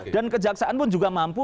dan kejaksaan pun juga mampu